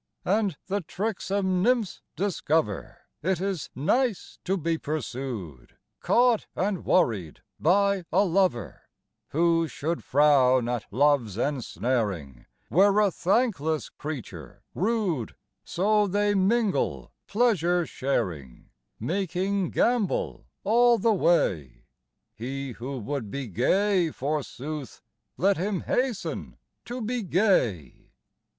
72 And the tricksome nymphs discover It is nice to be pursued, Caught and worried by a lover ; Who should frown at Love's ensnaring Were a thankless creature rude ; So they mingle, pleasure sharing, Making gambol all the way : He who would be gay, forsooth. Let him hasten to be gay.